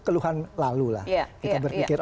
keluhan lalu lah kita berpikir